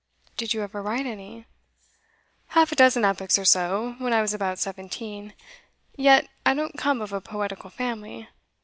'Did you ever write any?' 'Half a dozen epics or so, when I was about seventeen. Yet, I don't come of a poetical family.